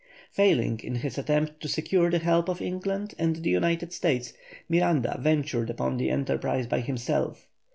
Failing in his attempt to secure the help of England and the United States, Miranda ventured upon the enterprise by himself.